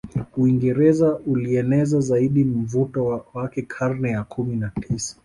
Uingereza ulieneza zaidi mvuto wake karne ya Kumi na tisa